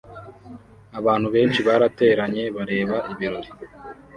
Abantu benshi barateranye bareba ibirori